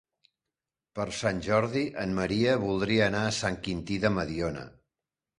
Per Sant Jordi en Maria voldria anar a Sant Quintí de Mediona.